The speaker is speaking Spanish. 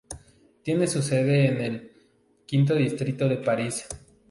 Tiene su sede en el V Distrito de París.